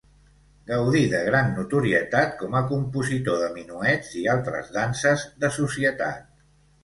Gaudí de gran notorietat com a compositor de minuets i altres danses de societat.